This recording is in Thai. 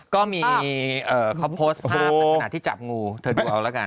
ก็มีเขาโพสต์ภาพในขณะที่จับงูเธอดูเอาละกัน